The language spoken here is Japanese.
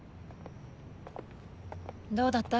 どうだった？